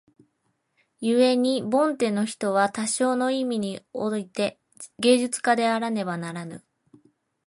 故に凡ての人は多少の意味に於て芸術家であらねばならぬ。